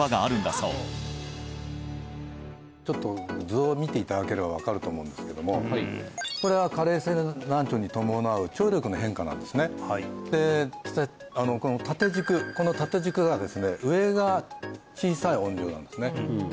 そうちょっと図を見ていただければ分かると思うんですけどもこれは加齢性難聴に伴う聴力の変化なんですねでこの縦軸この縦軸がですね上が小さい音量なんですねで